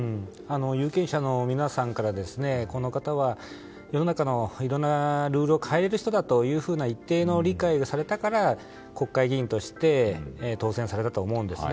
有権者の皆さんから、この方は世の中のいろんなルールを変える人だという一定の理解をされたから国会議員として当選されたと思うんですね。